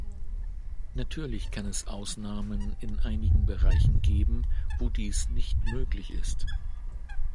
Natürlich kann es Ausnahmen in einigen Bereichen geben, wo dies nicht möglich ist.